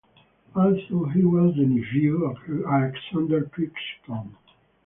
Also he was the nephew of Alexander Crichton.